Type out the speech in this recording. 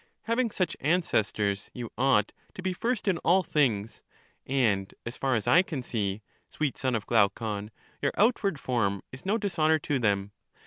Having such ancestors you ought to be first in all things, and as far as I can see, sweet son of Glaucon, your outward form is no dis honor to them.